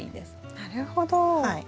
なるほど。